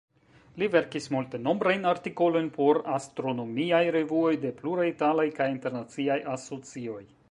Li verkis multenombrajn artikolojn por astronomiaj revuoj de pluraj italaj kaj internaciaj asocioj.